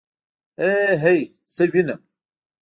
ائ هئ څه وينم.